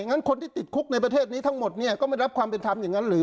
งั้นคนที่ติดคุกในประเทศนี้ทั้งหมดเนี่ยก็ไม่รับความเป็นธรรมอย่างนั้นหรือ